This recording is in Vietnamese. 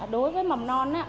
đối với mầm non